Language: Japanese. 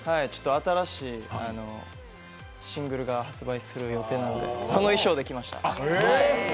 新しいシングルが発売する予定なのでその衣装で来ました。